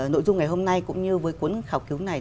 nội dung ngày hôm nay cũng như với cuốn khảo cứu này